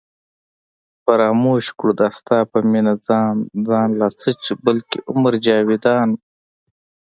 فراموش کړو دا ستا په مینه ځان ځان لا څه چې بلکې عمر جاوېدان